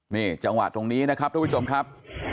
นี่จังหวะตรงนี้นะครับทุกผู้ชมครับ